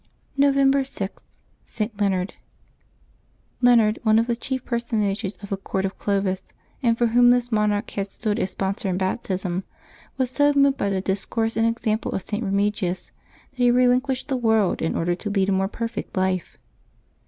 November 6.— ST. LEONARD. HEONARD, one of the chief personages of the court of Clovis, and for whom this monarch had stood as sponsor in baptism, was so moved by the discourse and ex ample of St. Eemigius that he relinquished the world in order to lead a more perfect life.